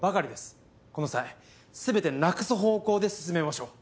この際全てなくす方向で進めましょう。